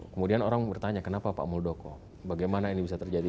kemudian orang bertanya kenapa pak muldoko bagaimana ini bisa terjadi